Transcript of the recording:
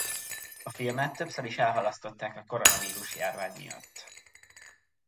A filmet többször is elhalasztották a koronavírus járvány miatt.